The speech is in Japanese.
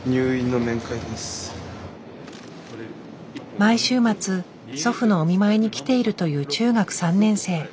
毎週末祖父のお見舞いに来ているという中学３年生。